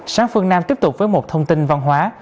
sáng phương nam tiếp tục với một thông tin văn hóa